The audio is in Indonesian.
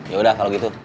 yaudah kalau gitu